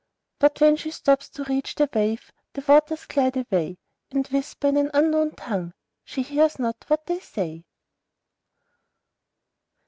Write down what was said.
But when she stoops to reach the wave, the waters glide away, And whisper in an unknown tongue, she hears not what they say.